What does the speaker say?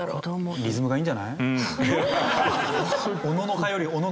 リズムがいいんじゃない？